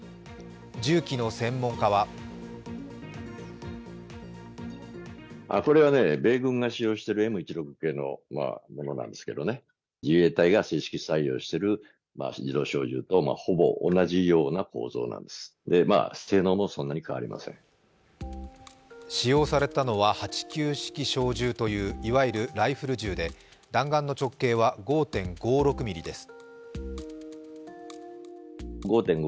銃器の専門家は使用されたのは８９式小銃といういわゆるライフル銃で弾丸の直径は５．５６ｍｍです。